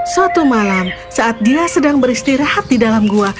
suatu malam saat dia sedang beristirahat di dalam gua